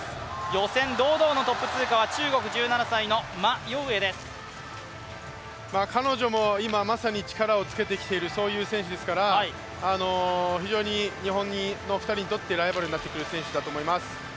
予選、堂々のトップ通過は中国、１７歳の彼女も今まさに力をつけてきている選手ですから非常に日本の２人にとってライバルになってくる選手だと思います。